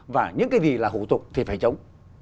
và những cái gì là hủ tục thì phải chống